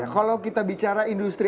kalau kita bicara industri